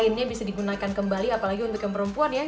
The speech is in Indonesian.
ini bisa digunakan kembali apalagi untuk yang perempuan ya